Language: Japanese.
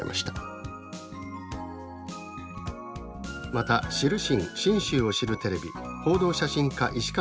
また知るしん信州を知るテレビ「報道写真家・石川文洋